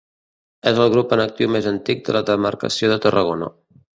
És el grup en actiu més antic de la demarcació de Tarragona.